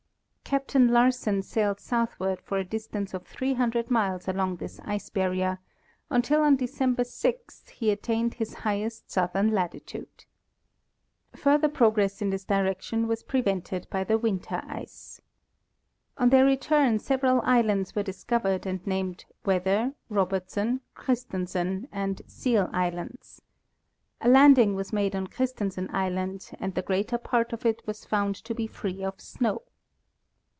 Captain Larsen sailed southward for a distance of 500 miles along this ice barrier until on December 6 he at tained his highest southern latitude. Further progress in this direction was prevented by the winter ice. On their return sev eral islands were discovered and named Weather, Robertson, Christensen and Seal islands. A landing was made on Christen sen island and the greater part of it was found to be free of snow.